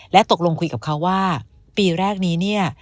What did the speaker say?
ตกลงคุยกับเขาว่าปีแรกนี้เนี่ย